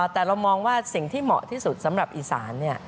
แต่เรามองว่าสิ่งที่เหมาะที่สุดสำหรับอีสาน